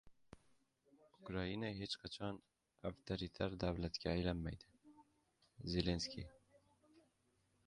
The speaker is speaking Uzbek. Ukraina hech qachon avtoritar davlatga aylanmaydi — Zelenskiy